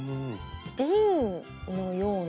瓶のような。